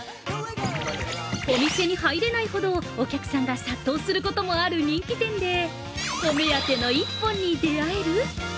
お店に入れないほどお客さんが殺到することもある人気店でお目当ての一本に出会える？